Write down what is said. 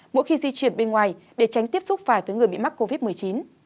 mỗi khi di chuyển bên ngoài để tránh tiếp xúc phải với người bị mắc covid một mươi chín